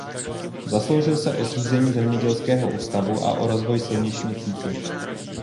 Zasloužil se o zřízení zemědělského ústavu a o rozvoj silniční sítě.